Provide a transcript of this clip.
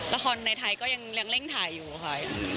ละครในไทยก็ยังเร่งถ่ายอยู่ค่ะ